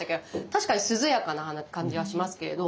確かに涼やかな感じはしますけれど。